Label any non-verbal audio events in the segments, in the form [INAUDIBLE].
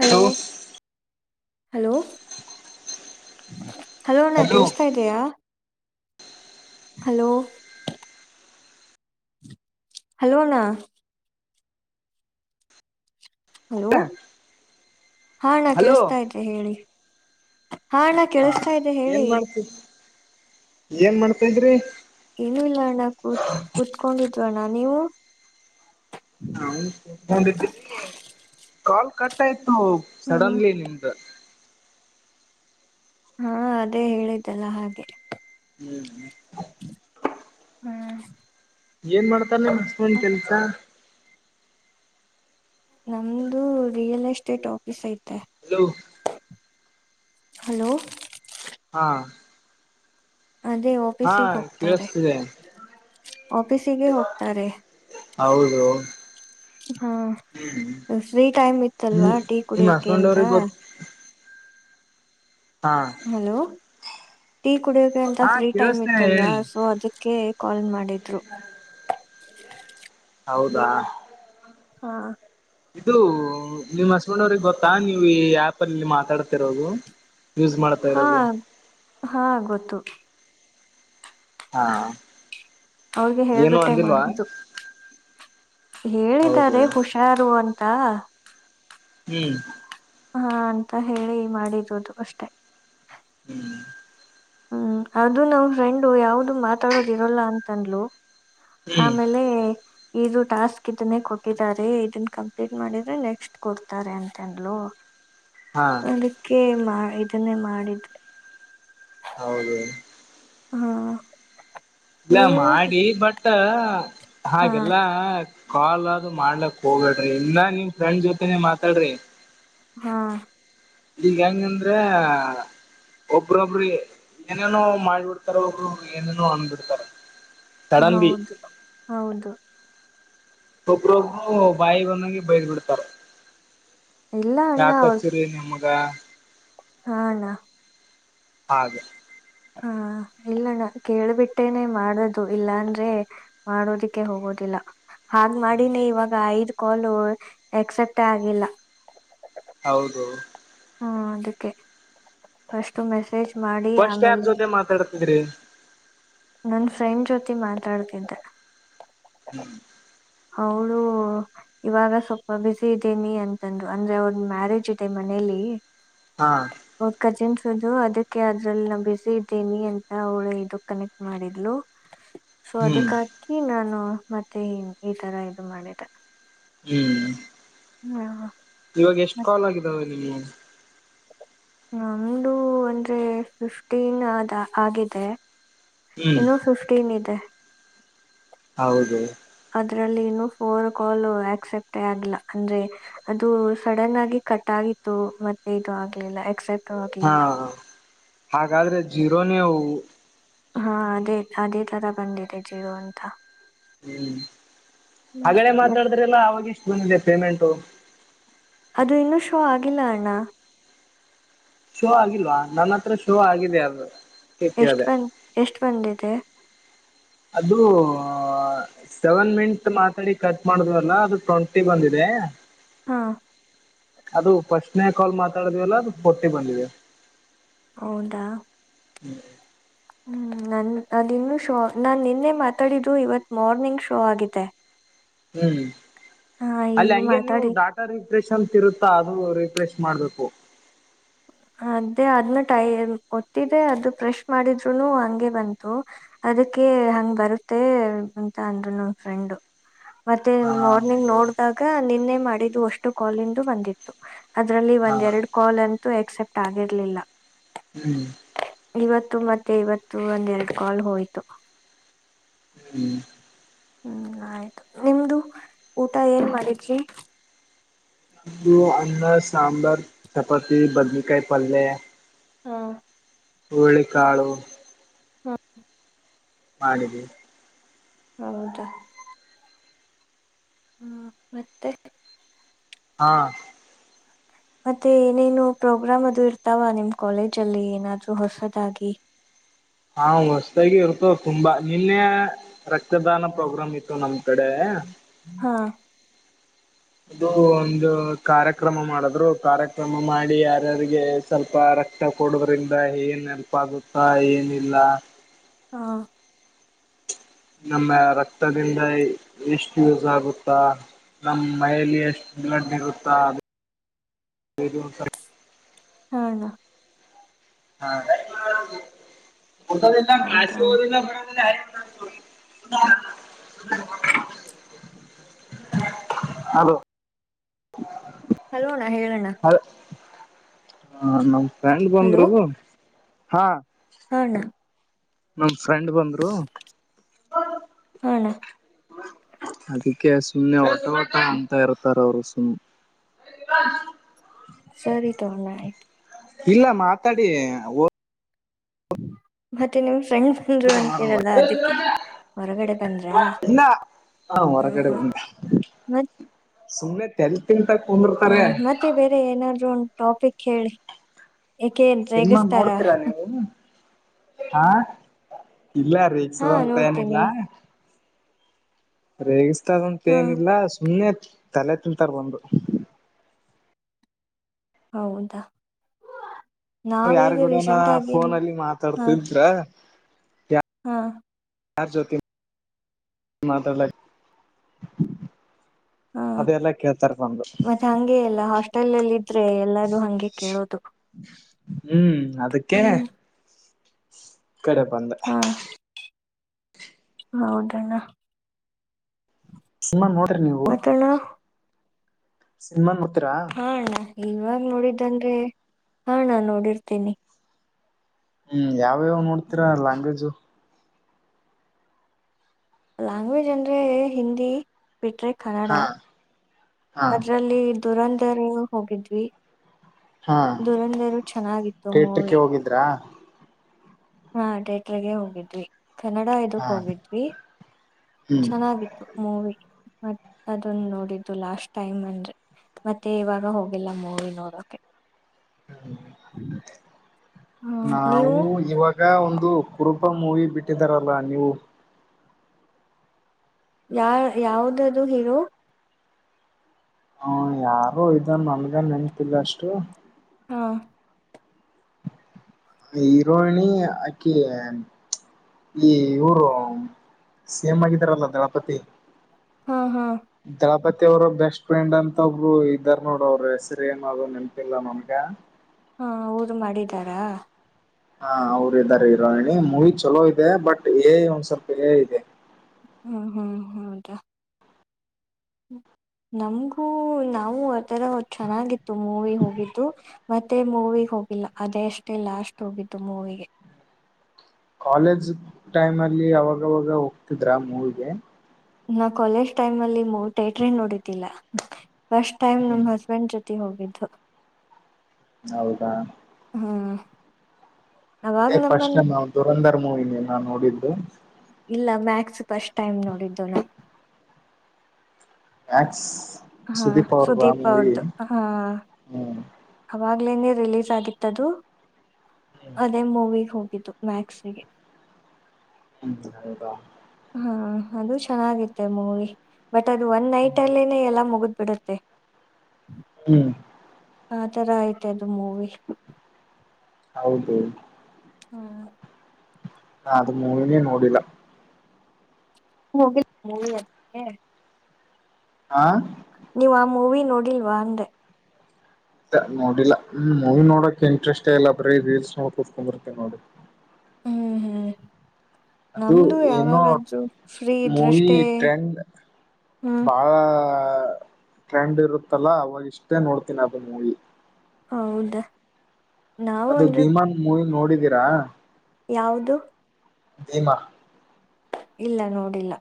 Hello hello ಹ್ಮ hello ನಾ ಕೆಲ್ಸ್ಥೈಧಿಯ ಹಲೋ ಹಲೋ ಅಣ್ಣ ಹಲೋ ಹಾ ನಾ ಹಲೋ ಕಳ್ಸ್ತಾ ಇದ ಹೇಳಿ [INAUDIBLE] ಹಾ ನಾ ಕೆಲ್ಸಾತೈಧೆ ಏನ್ ಹೇಳಿ ಮಾಡ್ತಿ ಏನ್ ಮಾಡ್ತಿದ್ರಿ ಏನುೂ ಇಲ್ಲ ಅಣ್ಣ ಕೂತ್ ಕುೂತ್ಕೊಂಡ್ ಅಣ್ಣ ನೀವು ಕುತ್ಕೊಂಡಿದ್ದೆ ಕಾಲ್ ಕಟ್ಟ ಆಯ್ತ ಹ್ಮ್ ಸಡನ್ಲಿ ನಿಮ್ದು ಹಾ ಅದೇ ಹೇಳಿದ್ದಲ್ಲ ಹಾಗೆ ಹ್ಮ್್ಮ ಹ್ಮ್ ಏನ್ ಮಾಡ್ತಾರೆ ನಿಮ್ಮ ಹಸ್ಬೆಂಡ್ ಕೆಲ್ಸ ನಮ್ದು ರಿಯಲ್ ಎಸ್ಟೇಟ್ ಆಫೀಸ್ ಐತೆ ಹಲೋ ಹಲೋ ಹಾ ಅದೇ ಹಾ ಆಫೀಸಿಗೆ ಹೋಗ್ತಾರೆ ಕೇಳಿಸ್ತಿದೆ ಆಫೀಸಿಗೆ ಹೋಗ್ತಾರೆ ಹೌದು ಹಾ ಫ್ರೀ ಟೈಮ್ ಇತ್ತಲ್ವಾ ಹ್ಮ್ ಟೀ ನಿಮ್ ಕುಡಿಯಕೆ ಹಸ್ಬೆಂಡ್ ಅಂತ ಅವ್ರಿಗೆ ಗೊತ್ ಹಾ ಹಲೋ [UNINTELLIGIBLE] ಕುಡಿಯಕ ಅಂತ ಹಾ ಫ್ರೀ ಟೈಮ್ ಕೇಳಿಸ್ತಿದೆ ಇತ್ತಲ್ವಾ ಹೇಳಿ ಸೊ ಅದಕ್ಕೆ ಕಾಲ್ ಮಾಡಿದ್ರು ಹೌದಾ ಹಾ ಇದು ನಿಮ್ಮ್ ಹಸ್ಬೆಂಡ್ ಅವ್ರಿಗೆ ಗೊತ್ತಾ ನೀವು ಈ ಆಪ ಅಲ್ಲಿ ಮಾತಾಡ್ತಾ ಇರೋದು ಯೂಸ್ ಮಾಡ್ತಾ ಹಾ ಇರೋದು ಹಾ ಗೊತ್ತು ಹಾ ಅವ್ರಿಗೆ ಏನು ಹೇಳ್ಬಟ್ಟೆ ಅಂದಿಲ್ವಾ ಮಾಡೋದು ಹೌದು ಹೇಳಿದ್ದಾರೆ ಹುಷಾರು ತ್ತಾ ಹ್ಮ್ ಹಾ ಅಂತ ಹೇಳಿ ಮಾಡಿದುದು ಅಷ್ಟೆ ಹ್ಮ್ ಹ್ಮ್ ಅದು ನಾವ ಫ್ರೆಂಡು ಯಾವ್ದು ಮಾತಾಡದ ಇರಲ್ಲ ಅಂತನ್ಲು ಹ್ಮ್ ಆಮೇಲೆ ಇದು ಟಾಸ್ಕ್ ಇದನ್ನೇ ಕೊಟ್ಟಿದ್ದಾರೆ ಇದನ್ ಕಂಪ್ಲೀಟ್ ಮಾಡಿದ್ರೆ ನೆಕ್ಸ್ಟ್ ಕೊಡ್ತಾರೆ ಅಂತನ್ಲು ಹಾ ಅದಕ್ಕೆ ಮಾಡ ಇದನ್ನೇ ಮಾಡಿದೆ ಹೌದು ಹಾ ಇಲ್ಲ ನೀವು ಮಾಡಿ ಬಟ್ ಹ ಹಾ ಹಾಗೆಲ್ಲ ಕಾಲ್ ಅಲ್ಲ ಮಾಡ್ಲಕ್ ಹೋಗ್ಬೇಡ್ರಿ ಇಲ್ಲ ನಿಮ್ ಫ್ರೆಂಡ್ ಜೊತೆನೆೇ ಮಾತಾಡ್ರಿ ಹಾ ಈಗ ಹೆಂಗಂದ್ರೆ ಒಬ್ರೊಬ್ರ ಏನೇನೋ ಮಾಡ್ಬಿಡ್ತಾರ ಒಬ್ರೊ ಏನೇನೋ ಅನ್ಬಿಡ್ತಾರ ಹೌದು ಹೌದು ಒಬ್ರೊಬ್ರು ಬಾಯಿ ಬಂದಾಗಾಗಿ ಬಯದ್ಬಿಡ್ತುರ್ ಇಲ್ಲ ಅಣ್ಣ ಅವರು ವ [INAUDIBLE] ಹಾ ಅಣ್ಣ ಹಾಗೆ ಹಾ ಇಲ್ಲಣ್ಣ ಕೇಳ್ಬಿಟ್ಟೇನೆ ಮಾಡದು ಇಲ್ಲಾಂದ್ರೆ ಮಾಡೋದಿಕ್ಕೆ ಹೋಗೋದಿಲ್ಲ ಹಾಗ ಮಾಡಿನೇ ಇವಾಗ ಐದ್ ಕಾಲು ಎಕ್ಸೆಪ್ಟ್ ಆಗಿಲ್ಲ ಹೌದು ಹ್ಮ ಅದಕ್ಕೆ ಸ್ು ಮೆಸೇಜ್ ಮಾಡಿ ಫಸ್ಟ್ ಯಾರ್ ಆಮೇಲೆ ಜೊತೆ ಮಾತಾಡ್ತಿದ್ರಿ ನನ್ ಫ್ರೆಂಡ್ ಜ್ಯೋತಿ ಮಾತಾಡ್ತಿದ್ದೆ ಹ್ಮ್ ಅವೌಳ ಇವಾಗ ಸ್ವಲ್ಪ ಬಿಸಿ ಇದ್ದೇನಿ ಅಂತಂದ್ರು ಅಂದ್ರೆ ಅವ್ರದ ಮ್ಯಾರೇಜ್ ಇದೆ ಮನೇಲಿ ಹಾ ಹ ಕಜಿನ್ಸ್ ಅದಕ್ಕೆ ಅದ್ರಲ್ಲಿ ನಾ ಬಿಸಿ ಇದ್ದೇನಿ ಅಂತ ಅವಳು ಇದು ಕನೆಕ್ಟ್ ಮಾಡಿದ್ಲು ಸೊ ಹ್ಮ್ ಅದಕ್ಕಕಿ ನಾನು ಮತ್ತೆ ಈತರ ಇದು ಮಾಡಿದೆ ಹ್ಮ್ ಹ್ಮ ಇವಾಗ ಎಷ್ಟು ಕಾಲ್ ಆಗಿದಾವ ಹ ನಮ್ದು ಅಂದ್ರೆ ಫಿಫ್ಟೀನ್ ಆಗಿದೆ ಹ್ಮ್ ಇನ್ನುೂ ಫಿಫ್ಟೀನ್ ಇದೆ ಹೌದು ಅದ್ರಲ್ಲಿ ಇನ್ನು ಫೋರ್ ಕಾಲ್ ಆಕ್ಸೆಪ್ಟೇ ಆಗ್ಲ ಅಂದ್ರೆ ಅದು ಸಡನ್ ಆಗಿ ಕಟ್ ಆಗಿತ್ತು ಮತ್ತೆ ಇದು ಆಗ್ಲಿಲ್ಲ ಆಕ್ಸೆಪ್ಟ್ ಹಾ ಆಗ್ಲಿಲ್ಲ ಹಾಗಾದ್ರೆ ಜೀರೋನ ಹಾ ಅದೇ ಅದೇ ತರ ಬಂದಿದೆ ಜೀರೋ ಅಂತ ಹ್ಮ್ ಹ್ಮ್. ಅದನ್ನೇ ಮತ್ ಮಾತಾಡಿದ್ರೆಲ್ಲ ಅವಗೆ ದೆ ಪೇಮೆಂಟ್ ಅದು ಇನ್ನೂ ಶೋ ಆಗಿಲ್ಲ ಅಣ್ಣ ಶೋ ಆಗಿಲ್ವಾ ನನ್ನ ಹತ್ರ ಶೋ ಆಗಿದೆ ಅದು ಎಷ್ಟ ಕೇಳಿದೆ ಬಂದ ಎಷ್ಟು ಬಂದಿದೆ ಅದು ಸೆವೆನ್ ಮಿಟ್ ಮಾತಾಡಿ ಕಟ್ ಮಾಡುದ್ವಲ್ಲ ಅದು ಟ್ವೆಂಟಿ ಬಂದಿದೆ ಹಾ ಅದು ಫಸ್ಟ್ನೇ ಕಾಲ್ ಮಾತ್ರ ಲ್ಲ ಫೋರ್ಟಿ ಬಂದಿವಿದೆ ಹೌದ ಹ್ಮ್ ಹ್ಮ್ ನನ್ ಅದು ಇನ್ನು ಶೋ ನಾನು ನಿನ್ನೆ ಮಾತಾಡಿದ್ದು ಇವತ್ತು ಮಾರ್ನಿಂಗ್ ಶೋ ಆಗಿದೆ ಹ್ಮ್ ಹಾ ಅಲ್ಲಿ ಈಗ ಹಂಗೆ ನೀವು ಮಾತಾಡಿ ಡಾಟರ್ ರಿಫ್ರೆಶ್ ಅಂತ ಇರುತ್ತಾ ಅದು ರಿಫ್ರೆಶ್ ಮಾಡ್ಬೇಕು ಅದೇ ಅದ್ನ ಟೈ ಒತ್ತಿದೆ ಅದು ಫ್ರೆಶ್ ಮಾಡಿದ್ರುನು ಹಗೆ ಬಂತು ಅದಕ್ಕೆ ಹಂಗ್ ಬರುತ್ತೆ ಅಂತ ಅಂದ್ರು ನನ್ ಫ್ರೆಂಡ್ ಮತ್ತೆ ಹಾ ಮಾರ್ನಿಂಗ್ ಹೌದು ನೋಡಿದಾಗ ನಿನ್ನೆ ಮಾಡಿ ಅಷ್ಟು ಕಾಲಿಂದು ಬಂದಿತ್ತು ಅದರಲ್ಲಿ ಹಾ ಒಂದ್ ಎರಡು ಕಾಲ್ ಅಂತೂ ಎಕ್ಸೆಪ್ಟ್ ಟ್ಟ ಆಗಿರ್ಲಿಲ್ಲ ಹ್ಮ್ ಇವತ್ತು ಮತ್ತೆ ಇವತ್ತು ಒಂದರೆಡು ಕಾಲ್ ಹೋಯ್ತು ಹ್ಮ್ ಹ್ಮ್ ಆಯ್ತು ನಿಮ್ದು ಊಟ ಏನ್ ಮಾಡಿದ್ರಿ ಅನ್ನ ಸಾಂಬಾರ್ ಚಪಾತಿ ಬದನಕಾಯಿ ಪಲ್ಯ ಹಾ ಹೂಳಿಕಾಳು ಹಾ ಮಾಡಿದ್ದೀ ಹೌದಾ ಹ್ಮ ಮತ್ತೆ ಹಾ ಮತ್ತೆ ಏನೇನು ಪ್ರೋಗ್ರಾಮ್ ಅದು ಇರ್ತಾವ ನಿಮ್ ಕಾಲೇಜ ಅಲ್ಲಿ ಏನಾದ್ರೂ ಹೊಸದಾಗಿ. ಹಾ ಹೊಸ್ತಾಗಿ ಇರ್ತ ತುಂಬಾ ನಿನ್ನೆ ರಕ್ತದಾನ ಪ್ರೋಗ್ರಾಮ್ ಇತ್ತು ನಮ್ಗೆ. ಕಡೆ. ಹಾ ಅದು ಒಂದು ಕಾರ್ಯಕ್ರಮ ಮಾಡಿದ್ರು ಕಾರ್ಯಕ್ರಮ ಮಾಡಿ ಯಾರ್ ರ್ಯಾರಿಗೆ ಸ್ವಲ್ಪ ರಕ್ತ ಕೊಡದ್ರಿಂದ ಏನ್ ನೆಲ್ಪ್ ಆಗುತ್ತಾ ಏನಿಲ್ಲ. ಹಾ. ನಮ್ಮ ರಕ್ತದಿಂದ ಎಷ್ಟು ಯೂಸ್ ಆಗುತ್ತಾ ನಮ್ಮ ಮೈಲಿ ಎಷ್ಟ್ ಬ್ಲಡ್ ಇರುತ್ತಾ. ಹ ಅಣ್ಣ. ಹಾ. ಒದದಲ್ಲ ಹೌದಾ ಅಣ್ಣ ಕ್ಸಿದಲ್ಲ ಬರೋದಿಲ್ಲ. ಹಲೋ. [UNINTELLIGIBLE] ಹಲೋಣ್ಣ ಹೇಳಣ್ಣ. ಹ ನಮ್. ಫ್ರಂಡ್ ಬಂದ್ರು. ಹಾ. ಹ ಅಣ್ಣ. ಹ್ಮ. ಫ್ರೆಂಡ್ ಬಂದರು. ಹಾ ಅಣ್ಣ ಹದಕ್ಕೆ ಸುಮ್ಮನೆ ಅವ. ೋಟ ಅಂತ ಇರ್ತಾರ ಅವ್ರು ಸಮ್ [UNINTELLIGIBLE] ಸರಿ ತೊೋಲ ಆಯ್ತು ಇಲ್ಲ ಮಾತಾಡಿ ಮತ್ತೆನುವ್ ಹೊರಗಡೆ ಬಂದ್ರಾ ಇಲ್ಲ ಹ ಹೊರ ಕಡೆ ಬ ಸುಮ್ಮ್ನೆ ತೆಲ್ ತಿಂತ ಹಾ ಕುಂದಿರ್ತಾರೆ ಮತ್ತೆ ಬೇರೆ ಏನಾದ್ರು ಉಂಟ ಟಾಪಿಕ್ ಹೇಳಿ ಏಕೆನ್ ರೇಗಸ್ತಾರ ಆಾ ಇಲ್ಲ ರೀಕ್ಷ ಹಾ ಅಂತ ಏನಿಲ್ಲ ನೋಡ್ತೀನಿ ರೇಗ ಇ ಅದಂತ ಹಾ ಏನ್ಿಲ್ಲಲ್ಲ ಸುಮ್ಮನೆ ತಲೆ ತಿಂತಾರೆ ಒಂದು ಹೌದಾ ನಾವೀಗ ಯಾರ್ಗೂಡನ ರೀಸೆಂಟ್ ಆಗಿ ಫೋನ ಅಲ್ಲಿ ಹ ಮಾತಾಡ್ತಿದ್ರ ಹಾ ಯಾರಾರ್ ಜ್ಯೋತಿನ್ ಮಾತ್ರಲ್ಲ ಹಾ ಮತ್ತೆ ಹಗೆ ಎಲ್ಲ ಹಾಸ್ಟೆಲ್ ಅಲ್ಲಿ ಇದ್ರೆ ಎಲ್ಲಾರೂ ಹಗೆ ಕೇಳೋದು ಹ್ಮ್ ಅದಕ್ಕೆ ಹ್ಮ್ ಕಡೆ ಬಂದ ಹಾ ಹೌದಣ್ಣ ಸುಮ್ಮಾ ನೋ ನೀವು ಮತ್ತಣ್ಣ ಇನ್ಮನ್ ಮಾಡತ್ತೀರಾ ಹಾ ಅಣ್ಣ ಇವಾಗ ನೋಡಿದ್ದಂದ್ರೆ ಹಾ ನಾ ನೋಡಿರ್ತೇನಿ ಹ್ಮ್ ಯಾವ ಅವ್ಯ ನೋಡ್ತೀರಾ ಲಯಾಂಗ್ವೇಜ್ ಲ್ಯಾಂಗ್ವೇಜ್ ಅಂದ್ರೆ ಹಿಂದಿ ಪಟೆ ಕನಡಾ ಹಾ ಹಾ ಅದ್ರಲ್ಲಿ ದುರಂತ ರ ಹೋಗಿದ್ವಿ ಹಾ ದುರಂಧರು ಚೆನ್ನಾಗಿತ್ತು ಮೂವಿ ಥಿಯೇಟ್ರಕ್ಕೆ ಹೋಗಿದ್ರಾ ಹಾ ಡೇಟ್ರಗೆ ಹೋಗಿದ್ವಿ ಕನ್ನಡ ಇದಕ್ ಹಾ ಹೋಗಿದ್ವಿ ಹ್ಮ್ ಚೆನ್ನಾಗಿತ್ತು ಮೂವಿ ಮತ್ ಅದೊಂದು ನೋಡಿದ್ದು ಲಾಸ್ಟ್ ಟೈಮ್ ಅಂದ್ರೆ ಮತ್ತೆ ಇವಾಗ ಹೋಗಿಲ್ಲ ಮೂೋಡಿ ನೋಡೋಕೆ ಹ್ಮ ನೀವು ನಾವು ಇವಾಗ ಈಗ ಒಂದು ಕುರುಪ ಮೂವಿ ಬಿಟ್ಟಿದಾರಲ್ಲ ನೀವು ಯಾ ಯಾವ್ದದುು ಹೀರೋ ಹ್ಮ ಯಾರು ಇದ ನಮಗೆ ನೆನ್ಪಿಲ್ಲ ಅಷ್ಟು ಹಾ ಈರೋಹಿಣಿ ಆಕಿ ಈ ಇವರು ಸೇಮ ಆಗಿದಾರಲ್ಲ ದಳಪತಿ ಹಾ ಹಾ ಮತ್ತೆ ಅವ್ರ ಬೆಸ್ಟ್ ಫ್ರೆಂಡ್ ಅಂತ ಒಬ್ರು ಇದ್ದಾರ್ ನೋಡ ಅವ್ರ ಹೆಸರಿ ಏನಾದ್ೂ ನೆನ್ಪಿಲ್ಲ ನನ್ಗ ಹಾ ಊರು ಮಾಡಿದಾರಾ ಹಾ ಅವರು ಇದ್ದಾರೆ ಇರೋಹಿಣಿ ಮೂವಿ ಚಲೋ ಇದೆ ಬಟ್ ಏ ಒಂದ್ ಸ್ವಲ್ಪ ಏ ಇದೆ ಹ್ಮ್ ಹ್ಮ್ ಹ್ಮದಾ ನಮ್ಗೂ ನಾವು ಆಥರ ಚೆನ್ನಾಗಿತ್ತು ಮೂವಿ ಹೋಗಿದ್ದು ಮತ್ತೆ ಮೂವಿ ಹೋಗಿಲ್ಲ ಅದೇ ಅಷ್ಟೆ ಲಾಸ್ಟ್ ಹೋಗಿದ್ದು ಮೂವಿಗೆ ಕಾಲೇಜ್ ಟೈಮ್ ಅಲ್ಲಿ ಅವಾಗವಾಗ ಹೋಗ್ತಿದ್ರ ಮೂವಿಗೆ ನಾ ಕಾಲೇಜ್ ಟೈಮ್ ಅಲ್ಲಿ ಮ ಟೇಟ್ರಿ ನೋಡತಿಿಲ್ಲ ಫಸ್ಟ್ ಟೈ್ ನಮ್ ಹ್ಮ್ ಹಸ್ಬೆಂಡ್ ಜೊತೆ ಹೋಗಿದ್ದ ಹೌದಾ ಹಾ ಇದೇ ಫಸ್ಟ್ ಟೈಮ್ ದುರಂಧ ಮೂವಿ ನೇ ನಾ ನೋಡಿದ್ದು ಇಲ್ಲ ಮ್ಯಾಕ್ಸ್ ಫಸ್ಟ್ ಟೈಮ್ ನೋಡಿದ್ದವನು ಮ್ಯಾಕ್ ಹಾ ಸುದೀಪ್ ಅವ್ರ್ದು ಹಾ ಹ್ಮ್ ಯಾಗ್ಲೇನೆೇ ರಿಲೀಸ್ ಆಗಿತ್ತದು ಅದೇ ಮೂವಿ ಹೋಗಿ ಮ್ಯಾಕ್ಸಿಗೆ ಹ್ಮ್ ಹೌದ ಚೆನ್ನಾಗಿತ್ತ ಮೂಗಿ ಬಟ್ ಅದು ಒನ್ ನೈಟ್ ಅಲ್ಲಿೇ ಎಲ್ಲ ಮುಗದ ಬಿಡುತ್ತೆ ಹ್ಮ್ ಆ ತರ ಆಯ್ತ್ ಅದು ಮೂವಿ ಹೌದು ಹ್ಮ ಹ ಅದು ಮೂವಿನೇ ನೋಡಿಲ್ಲ ಹೋಗಿಲ್ವ ಮೂವಿ ನೋಡೋಕ್ಕೆ ಹಾ ನೀವು್ ಆ ಮೂವಿ ನೋಡಿಲ್ವಾ ಅಂದೆ ಇ ನೋಡಿಲ್ಲಾ ಹ್ಮ ಮೂವಿ ನೋಡಕ ಇಂಟ್ರೆಸ್ಟ್ ಇಲ್ಲ ಬ್ರೀ ರೀಲ್ಸ್ ನೋ ಕುೂತ್ಕೊಂಡ್ ಬರ್ತೇ ನೋಡಿ ಹ್ಮ್ ಹ್ಮ್ ಅದು ನಮ್ದು ಏನೋ ಯಾವಾಗಾದ್ರೂ ಫ್ರೀ ಮೂವಿ ಇದ್ರಷ್ಟೇ ಟ್ರೆಂಡ್ ಹ್ಮ್ ಬಹಳ ಟ್ರೆಂಡ್ ಇರುತ್ತಲ್ಲ ಅವಾಗ ಇಷ್ಟೇ ನೋಡ್ತೀನಿ ಅದು ಮೂವಿ ಹೌದಾ ನಾವು ಅದು ಭಮಾನ್ ಮೂವಿ ನೋಡಿದ ರಾ ಯಾವುದು ಭೀಮ ಇಲ್ಲ ನೋಡಿಲ್ಲ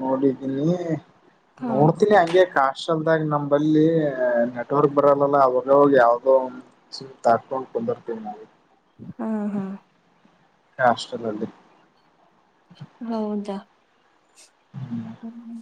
ನೋಡಿದ್ದೀನಿ ಹಾ ನೋಡ್ತೀನಿ ಅಂಗೆ ಕಾ ಲ ನಂಬಲ್ಲಿ ನೆಟ್ವರ್ಕ್ ಬರಲ್ಲಲ್ಲ ಅವಾಗವಾಗ ಯಾವ್ದೋ ಸಿಮ ತಾಕೊಂಡ್ ಕುಂದರ್ತೀವಿ ನಾವು ಹಾ ಹಾ ಹಷ್ಟ್ರದಲ್ಲಿ ಹೌದಾ ಹ್ಮ್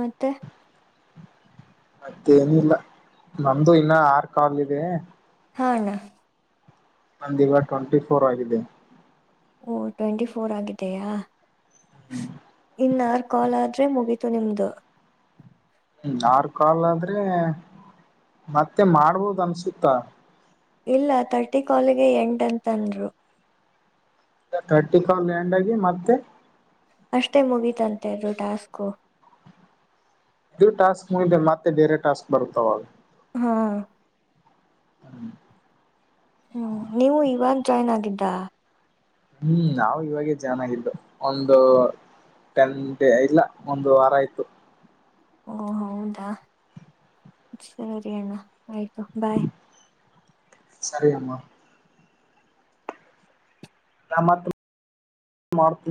ಮತ್ತೆ ಮತ್ತೆೇನಿಲ್ಲ ನಮ್ದು ಇನ್ನ ಆರ್ ಕಲ್ ಇದೆ ಹಾ ಅಣ್ಣ ನಂದ್ ಈಗ ಟ್ವೆಂಟಿ ಫೋರ್ ಆಗಿದೆ ಓ ಟ್ವೆಂಟಿ ಫೋರ್ ಆಗಿದೆಯಾ ಹ್ಮ್ ಇನ್ನಾರ್ ಕಾಲ್ ಆದ್ರೆ ಮುಗೀತು ನಿಮ್ದು ಇನ್ ಯಾರ್ ಕಾಲ್ ಆದ್ರೆ ಮತ್ತೆ ಮಾಡ್ಬೋದ್ ಅನ್ಸುತ್ತಾ ಇಲ್ಲ ತರ್ಟಿ ಕಾಲಿಗೆ ಎಂಡ್ ಅಂತನೃ ತರ್ಟಿ ಕಾಲ್ಗ್ ಎಂಡ್ ಆಗಿ ಮತ್ತೆ ಅಷ್ಟೇ ಮುಗೀತಂತೆ ಇದು ಟಾಸ್ಕು ಇದು ಟಾಸ್ಕ್ ಮುಗಿದ್ ಮೇಲ್ ಮತ್ತೆ ಬೇರೆ ಟಾಸ್ಕ್ ಬರುತಾವ ಹಾ ಹ್ಮ ಹ್ಮ್ ನೀವು ಇವಗ್ ಜಾಯ್ನ್ ಆಗಿದ್ದ ಹ್ಮ್ ನಾವು ಇವಾಗೇ ಜಾಯ್ನ್ ಆಗಿದ್ದು ಒಂದು ಟೆನ್ ಡೇ ಇಲ್ಲ ಒಂದು ವಾರ ಆಯ್ತು ಓ ಹೌದಾ ಸರಿ ಅಣ್ಣ ಆಯ್ತು ಬಾಯ್ ಸರಿ ಅಮ್ಮ [UNINTELLIGIBLE] ಮಾಡ್ತ